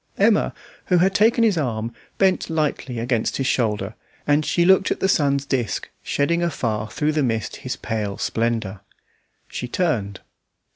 Emma, who had taken his arm, bent lightly against his shoulder, and she looked at the sun's disc shedding afar through the mist his pale splendour. She turned.